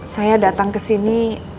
saya datang kesini